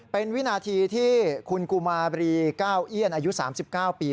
เป็นวินาทีที่คุณกุมาบรีก้าวเอี้ยนอายุ๓๙ปี